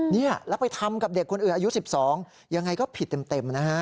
นี่แล้วไปทำกับเด็กคนอื่นอายุ๑๒ยังไงก็ผิดเต็มนะฮะ